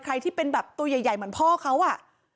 ใครที่เป็นแบบตัวใหญ่เหมือนพ่อเขาอ่ะ